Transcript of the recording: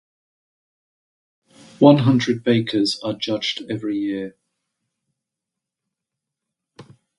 One hundred bakers are judged every year.